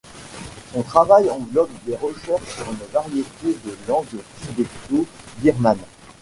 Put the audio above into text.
Son travail englobe des recherches sur une variété de langues tibéto-birmanes.